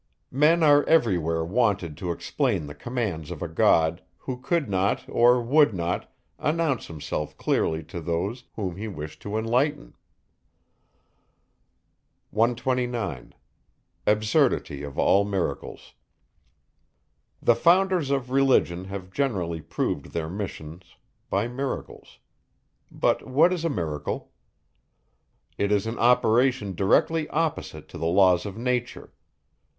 Men are every where wanted to explain the commands of a God, who could not, or would not, announce himself clearly to those, whom he wished to enlighten. 129. The founders of religion, have generally proved their missions by miracles. But what is a miracle? It is an operation directly opposite to the laws of nature.